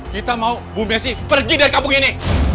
kita mau bum besi pergi dari kampung ini